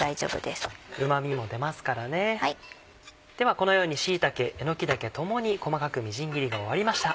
このように椎茸えのき茸共に細かくみじん切りが終わりました。